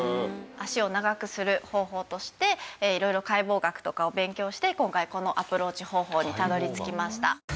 脚を長くする方法として色々解剖学とかを勉強して今回このアプローチ方法にたどり着きました。